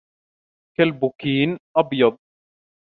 كلب كين أبيض.